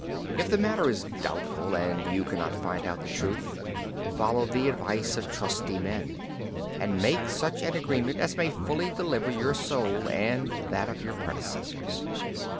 ... If the matter is doubtful and you cannot find out the truth, follow the advice of trusty men, and make such an agreement as may fully deliver your soul and that of your predecessors.